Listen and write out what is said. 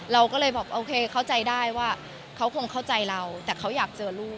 เราก็เลยบอกโอเคเข้าใจได้ว่าเขาคงเข้าใจเราแต่เขาอยากเจอลูก